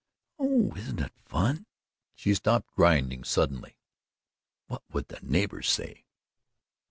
"Oh, isn't it fun?" She stopped grinding suddenly. "What would the neighbours say?"